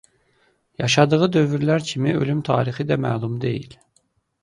Yaşadığı dövrlər kimi ölüm tarixi də məlum deyil.